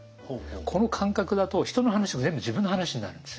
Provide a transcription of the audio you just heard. この感覚だと人の話が全部自分の話になるんです。